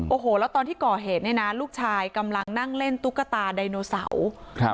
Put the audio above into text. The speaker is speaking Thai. โอ้โหแล้วตอนที่ก่อเหตุลูกชายกำลังนั่งเล่นตุ๊กตาดายโนเสาร์